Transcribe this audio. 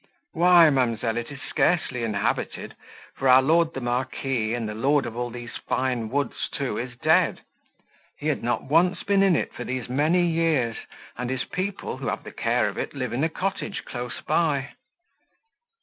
"Why, ma'amselle, it is scarcely inhabited, for our lord the Marquis, and the lord of all these find woods, too, is dead. He had not once been in it, for these many years, and his people, who have the care of it, live in a cottage close by."